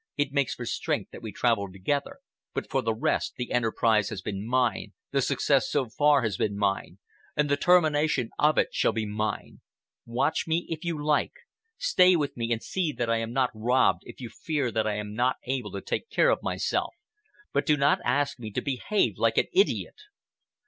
It makes for strength that we travel together. But for the rest, the enterprise has been mine, the success so far has been mine, and the termination of it shall be mine. Watch me, if you like. Stay with me and see that I am not robbed, if you fear that I am not able to take care of myself, but do not ask me to behave like an idiot."